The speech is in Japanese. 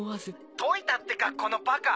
解いたってかこのバカ！